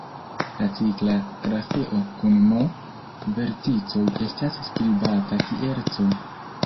La cikla grafeo kun "n" verticoj estas skribata kiel "C".